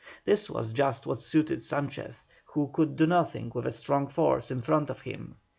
This was just what suited Sanchez, who could do nothing with a strong force in front of him.